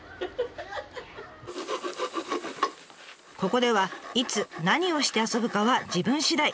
ここではいつ何をして遊ぶかは自分しだい。